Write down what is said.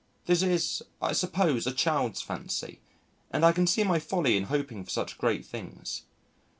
That is, I suppose, a child's fancy, and I can see my folly in hoping for such great things.